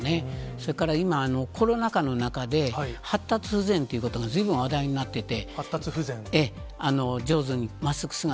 それから今、コロナ禍の中で、発達不全ということが、ずいぶん話題になっていて。